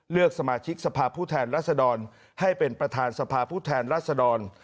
เลือกสมาชิกสภาพผู้แทนรัศดรให้เป็นประธานสภาผู้แทนรัศดร